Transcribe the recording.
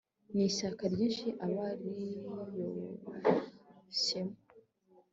n'ishyaka ryinshi aba yiroshyemo